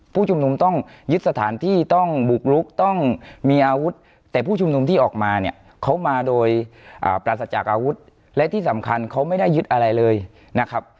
ผู้ชุมนุมต้องยึดสถานที่ต้องบุกลุกต้องมีอาวุธแต่ผู้ชุมนุมที่ออกมาเนี่ยเขามาโดยปราศจากอาวุธและที่สำคัญเขาไม่ได้ยึดอะไรเลยนะครับ